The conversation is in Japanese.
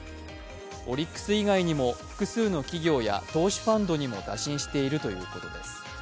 オリックス以外にも複数の企業や投資ファンドにも打診しているということです